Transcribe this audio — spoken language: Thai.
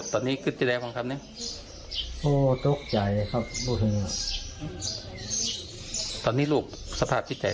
ตอนนี้ก็จะได้ฟังครับเนี่ยโอ้ตกใจครับตอนนี้ลูกสภาพที่ใจ